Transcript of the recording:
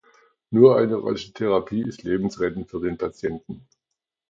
Nur eine rasche Therapie ist lebensrettend für den Patienten.